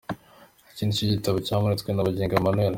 Iki nicyo gitabo cyamuritswe na Bugingo Emmanuel.